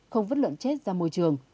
không vứt lợn chết ra môi trường